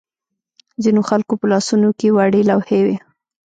ځینو خلکو په لاسونو کې وړې لوحې وې.